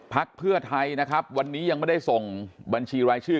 พักเพื่อไทยนะครับวันนี้ยังไม่ได้ส่งบัญชีรายชื่อ